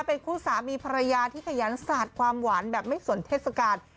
เป็นคู่สามีภรรยาที่ขยันสาดความหวานแบบไม่สนเทศกาล